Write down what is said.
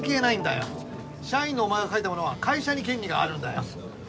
社員のお前が書いたものは会社に権利があるんだよ。